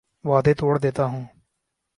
وعدے توڑ دیتا ہوں